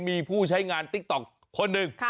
มีผู้ใช้งานติ๊กต๊อกคนหนึ่ง